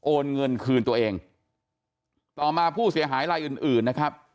โอนเงินคืนตัวเองต่อมาผู้เสียหายลายอื่นอื่นนะครับ